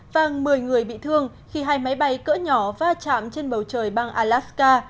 và một mươi người bị thương khi hai máy bay cỡ nhỏ va chạm trên bầu trời bang alaska